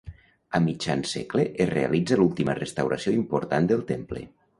A mitjan segle es realitza l'última restauració important del temple.